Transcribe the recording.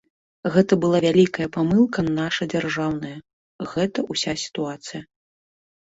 Гэта была вялікая памылка наша дзяржаўная, гэта ўся сітуацыя.